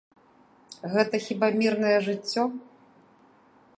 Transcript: Гэта хіба мірнае жыццё?